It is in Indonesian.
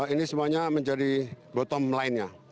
ini semuanya menjadi botol lainnya